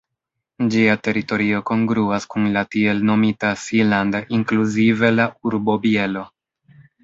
Ĝia teritorio kongruas kun la tiel nomita Seeland inkluzive la urbo Bielo.